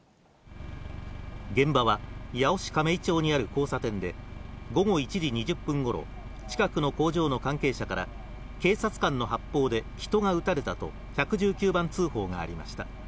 現場は八尾市亀井町にある交差点で、午後１時２０分ごろ、近くの工場の関係者から、警察官の発砲で人が撃たれたと、１１９番通報がありました。